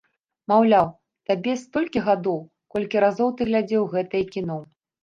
Маўляў, табе столькі гадоў, колькі разоў ты глядзеў гэтае кіно.